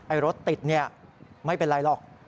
ไอ้รถติดไม่เป็นไรหรอก